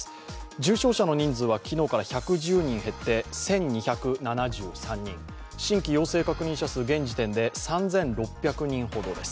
重症者の人数は昨日から１１０人減って１２７３人、新規陽性確認者数現時点で３６００人ほどです。